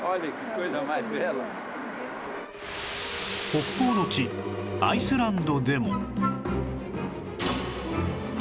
北方の地アイスランドでも